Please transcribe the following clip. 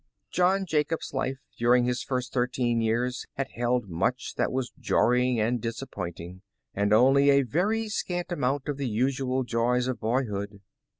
John Jacob's life during his first thirteen years had held much that was jarring and disappointing, and only a very scant amount of the usual joys of boyhood.